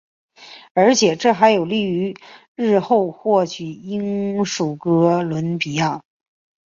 而且这还有利于日后获取英属哥伦比亚。